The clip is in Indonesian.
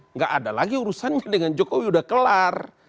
nggak ada lagi urusannya dengan jokowi udah kelar